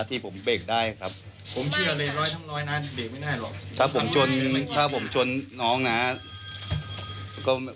รถนาจี้ดูไหมเนี่ย